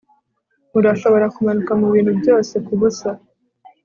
Urashobora kumanuka mubintu byose kubusa